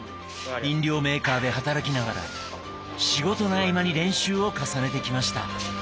飲料メーカーで働きながら仕事の合間に練習を重ねてきました。